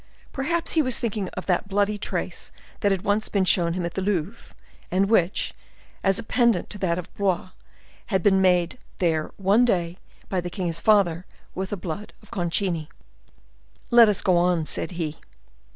Perhaps he was thinking of that bloody trace that had once been shown him at the Louvre, and which, as a pendant to that of Blois, had been made there one day by the king his father with the blood of Concini. "Let us go on," said he.